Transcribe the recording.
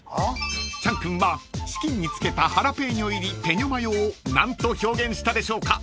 ［チャン君はチキンにつけたハラペーニョ入りぺにょマヨを何と表現したでしょうか？］